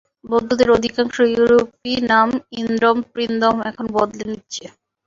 বৌদ্ধদের অধিকাংশ ইউরোপী নাম ইন্দ্রম-পিন্দ্রম এখন বদলে নিচ্ছে।